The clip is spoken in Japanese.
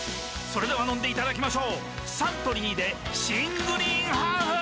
それでは飲んでいただきましょうサントリーで新「グリーンハーフ」！